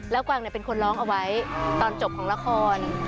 แล้วกวางเป็นคนร้องเอาไว้ตอนจบของละคร